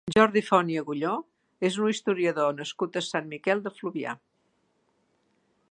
Jordi Font i Agulló és un historiador nascut a Sant Miquel de Fluvià.